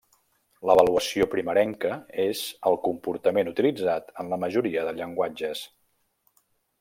L'avaluació primerenca és el comportament utilitzat en la majoria de llenguatges.